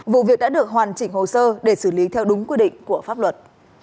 vụ việc đã được hoàn chỉnh hồ sơ để xử lý theo đúng quy định của pháp luật